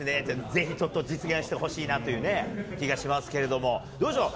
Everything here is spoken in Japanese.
ぜひちょっと実現してほしいなという気がしますけれども、どうでしょう？